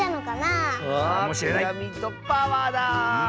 あピラミッドパワーだ！